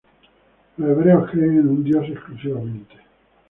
Los hebreos creen en un Dios exclusivamente.